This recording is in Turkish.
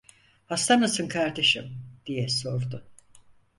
"Hasta mısın kardeşim?" diye sordu.